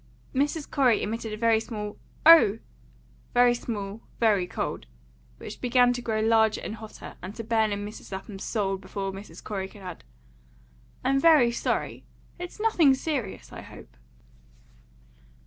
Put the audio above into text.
Mrs. Corey emitted a very small "O!" very small, very cold, which began to grow larger and hotter and to burn into Mrs. Lapham's soul before Mrs. Corey could add, "I'm very sorry. It's nothing serious, I hope?"